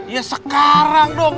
ya sekarang dong